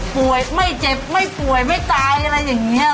ป่วยไม่เจ็บไม่ป่วยไม่ตายอะไรอย่างนี้